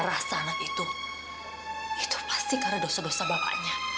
rasa anak itu itu pasti karena dosa dosa bapaknya